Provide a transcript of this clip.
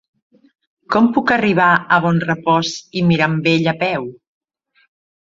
Com puc arribar a Bonrepòs i Mirambell a peu?